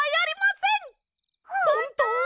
ほんと？